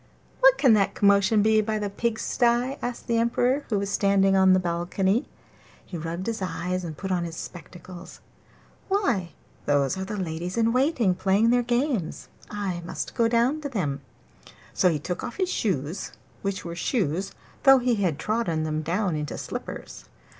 'What can that commotion be by the pigsties?' asked the Emperor, who was standing on the balcony. He rubbed his eyes and put on his spectacles. 'Why those are the ladies in waiting playing their games; I must go down to them.' So he took off his shoes, which were shoes though he had trodden them down into slippers.